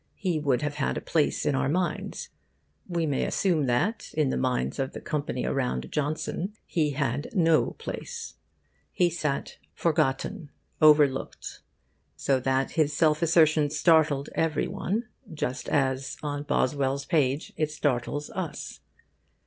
He would have had a place in our minds. We may assume that in the minds of the company around Johnson he had no place. He sat forgotten, overlooked; so that his self assertion startled every one just as on Boswell's page it startles us.